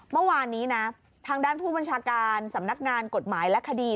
เมื่อวานนี้นะทางด้านผู้บัญชาการสำนักงานกฎหมายและคดี